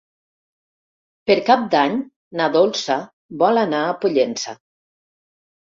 Per Cap d'Any na Dolça vol anar a Pollença.